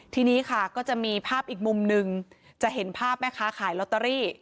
ทีนี้ค่ะก็จะมีภาพอีกมุมหนึ่งจะเห็นภาพแม่ค้าขายลอตเตอรี่